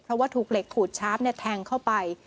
เพราะว่าถูกเหล็กขูดชาร์ฟแทงเข้าไป